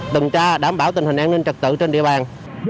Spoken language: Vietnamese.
tầm tra đảm bảo tình hình an ninh trực tự trên địa bàn